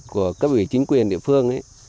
của các vị chính quyền địa phương